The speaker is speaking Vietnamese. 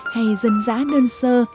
hay dân giá đơn sơ